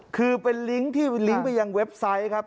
คือเป็นลิงก์ที่ลิงก์ไปยังเว็บไซต์ครับ